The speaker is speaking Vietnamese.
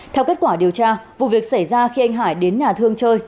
theo kết quả điều tra vụ việc xảy ra khi anh hải đến nhà thương chơi